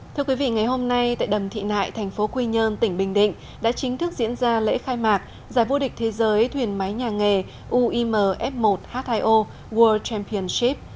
thưa quý vị ngày hôm nay tại đầm thị nại thành phố quy nhơn tỉnh bình định đã chính thức diễn ra lễ khai mạc giải vua địch thế giới thuyền máy nhà nghề uimf một hio world championship